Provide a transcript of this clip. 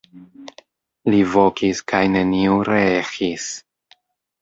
Li vokis kaj neniu reeĥis.